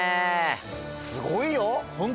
すごいよ。